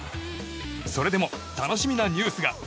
それでも楽しみなニュースが。